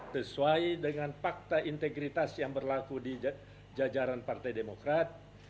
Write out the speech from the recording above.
sesuai dengan fakta integritas yang berlaku di jajaran partai demokrat